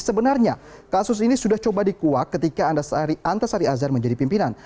sebenarnya kasus ini sudah coba dikuak ketika antasari azhar menjadi pimpinan